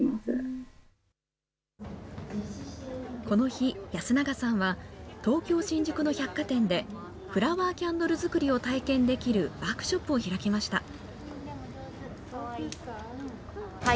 この日、安永さんは、東京・新宿の百貨店で、フラワーキャンドル作りを体験できるワークショップを開きました。